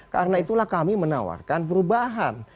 karena itulah kami menawarkan perubahan